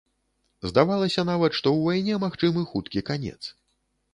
Здавалася нават, што ў вайне магчымы хуткі канец.